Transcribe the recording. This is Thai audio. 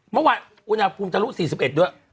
เมื่อวานอุณหภูมิทะลุ๔๑ด้วย